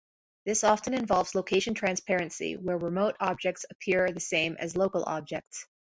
This often involves location transparency, where remote objects appear the same as local objects.